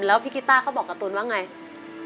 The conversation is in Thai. แล้วพี่กิต้าเขาบอกการ์ตูนว่าอย่างไร